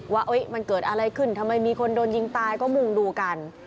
ว่ามันเกิดอะไรขึ้นทำไมมีคนโดนยิงตายก็มุ่งดูกัน